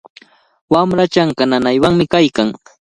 Wamraa chanka nanaywanmi kaykan.